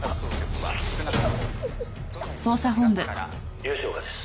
「吉岡です。